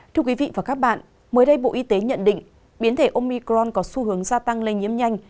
thưa quý vị và các bạn mới đây bộ y tế nhận định biến thể omicron có xu hướng gia tăng lây nhiễm nhanh